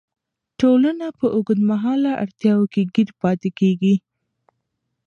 ټولنه په اوږدمهاله اړتیاوو کې ګیر پاتې کیږي.